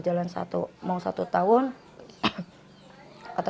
dalam kondisi tak sempurna